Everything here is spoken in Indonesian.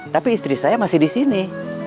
tapi istri saya masih disini